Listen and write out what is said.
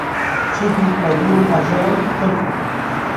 Çimkî xwediyên ajalan Kurd bûn